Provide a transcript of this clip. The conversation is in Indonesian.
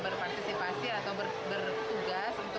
tiga puluh persen dan penanganan sampah sebesar tujuh puluh persen